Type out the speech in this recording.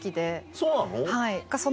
そうなの？